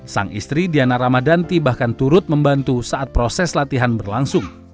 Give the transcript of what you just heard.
sang istri diana ramadanti bahkan turut membantu saat proses latihan berlangsung